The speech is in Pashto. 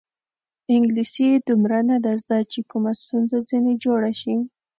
انګلیسي یې دومره نه ده زده چې کومه ستونزه ځنې جوړه شي.